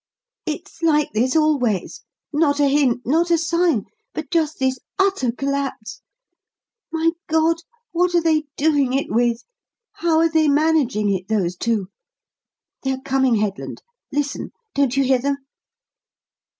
"It's like this always; not a hint, not a sign, but just this utter collapse. My God, what are they doing it with? How are they managing it, those two? They're coming, Headland. Listen! Don't you hear them?"